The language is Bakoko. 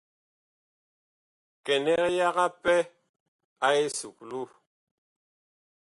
Kɛnɛg yaga pɛ a esuklu.